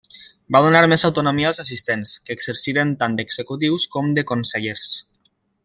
Va donar més autonomia als assistents, que exerciren tant d'executius com de consellers.